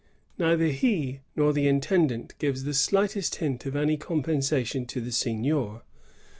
* Neither he nor the intendant gives the slightest hint of any compensation to the seignior.